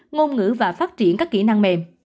ngôn ngữ và phát triển các kỹ năng mềm